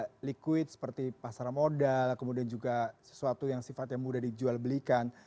ini bukan sesuatu yang terlihat liquid seperti pasar modal kemudian juga sesuatu yang sifatnya mudah dijual belikan